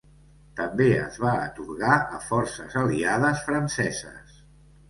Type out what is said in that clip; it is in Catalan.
També es va atorgar a forces aliades franceses.